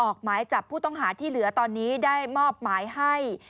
ออกหมายจับผู้ต้องหาที่เหลือตอนนี้ได้มอบหมายให้